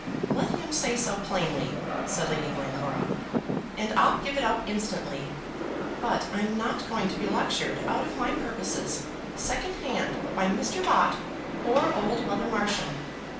"Let him say so plainly," said Lady Glencora, "and I'll give it up instantly. But I'm not going to be lectured out of my purposes secondhand by Mr. Bott or old Mother Marsham.